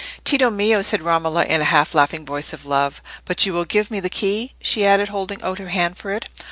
"Tito mio!" said Romola, in a half laughing voice of love; "but you will give me the key?" she added, holding out her hand for it.